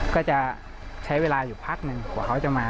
ก็จะใช้เวลาอยู่พักหนึ่งกว่าเขาจะมา